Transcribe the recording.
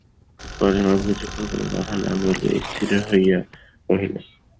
পরেশবাবু কিছুক্ষণ কোনো কথা না বলিয়া স্থির হইয়া রহিলেন।